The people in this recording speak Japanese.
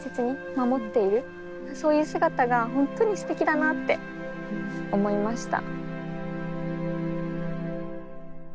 そういう姿が本当にすてきだなって思いました。